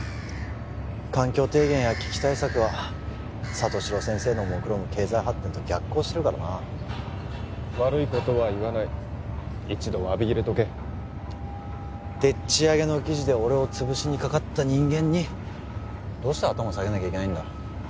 環境提言や危機対策は里城先生のもくろむ経済発展と逆行してるからな悪いことは言わない一度詫び入れとけでっちあげの記事で俺をつぶしにかかった人間にどうして頭を下げなきゃいけないんだ？